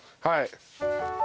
はい。